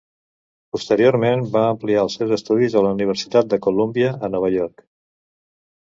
Posteriorment va ampliar els seus estudis a la Universitat de Colúmbia a Nova York.